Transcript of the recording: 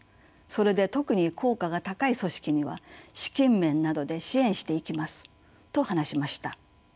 それで特に効果が高い組織には資金面などで支援していきます」と話しました。